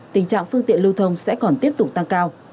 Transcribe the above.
tình trạng phương tiện lưu thông sẽ còn tiếp tục tăng cao